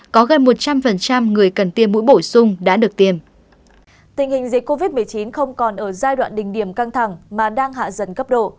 covid một mươi chín không còn ở giai đoạn đỉnh điểm căng thẳng mà đang hạ dần cấp độ